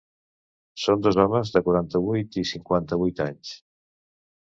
Són dos homes de quaranta-vuit i cinquanta-vuit anys.